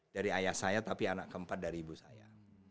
dari ayah saya tapi anak keempat dari ibu saya